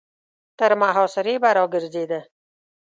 تر محاصرې به را ګرځېده.